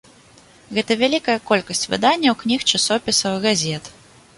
Гэта вялікая колькасць выданняў, кніг, часопісаў, газет.